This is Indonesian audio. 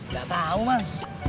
gak tau man